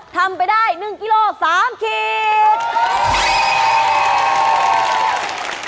ทำไปได้๑กิโล๓ขีด